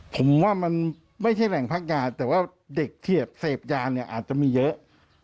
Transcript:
ผมว่ามันไม่ใช่แหล่งพักงานแต่ว่าเด็กเทียบเสพยาเนี่ยอาจจะมีเยอะ